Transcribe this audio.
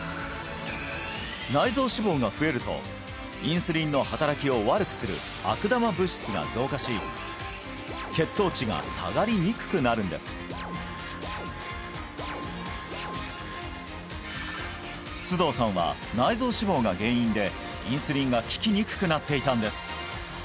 内臓脂肪が増えるとインスリンの働きを悪くする悪玉物質が増加し血糖値が下がりにくくなるんです須藤さんは内臓脂肪が原因でインスリンが効きにくくなっていたんです